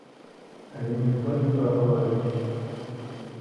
Але ніхто не прагаварыўся.